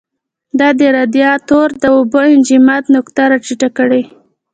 دا د رادیاتور د اوبو انجماد نقطه را ټیټه کړي.